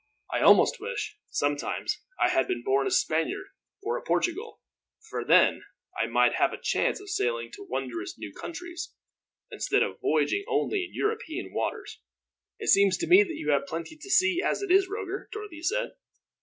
I almost wish, sometimes, I had been born a Spaniard or a Portugal; for then I might have a chance of sailing to wondrous new countries, instead of voyaging only in European waters." "It seems to me that you have plenty to see as it is, Roger," Dorothy said.